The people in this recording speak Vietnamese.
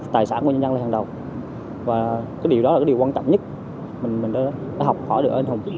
tài sản của nhân dân là hàng đầu và cái điều đó là cái điều quan trọng nhất mình đã học hỏi được anh hùng